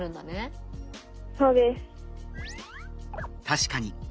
確かに。